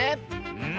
うん。